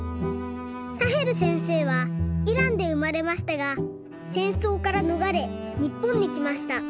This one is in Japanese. サヘルせんせいはイランでうまれましたがせんそうからのがれにっぽんにきました。